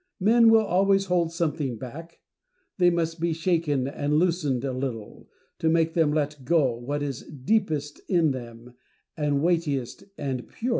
Men will always hold something back ; they must be shaken and loosened a little, to make them let go what is deepest in them, and weightiest and purest.